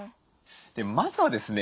まずはですね